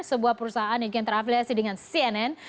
sebuah perusahaan yang terafiliasi dengan cnn